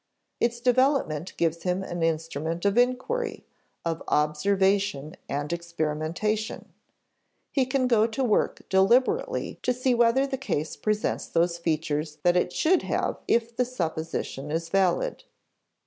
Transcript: Its development gives him an instrument of inquiry, of observation and experimentation. He can go to work deliberately to see whether the case presents those features that it should have if the supposition is valid.